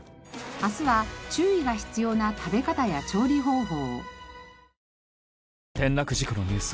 明日は注意が必要な食べ方や調理方法。